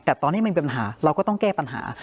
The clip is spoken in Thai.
แต่ตอนนี้มันมีปัญหาเราก็ต้องแก้ปัญหา